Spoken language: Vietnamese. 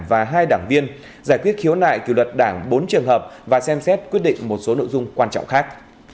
và hai đảng viên giải quyết khiếu nại kỷ luật đảng bốn trường hợp và xem xét quyết định một số nội dung quan trọng khác